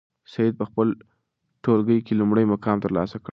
سعید په خپل ټولګي کې لومړی مقام ترلاسه کړ.